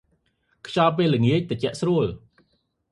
ខ្យល់ពេលល្ងាចត្រជាក់ស្រួល។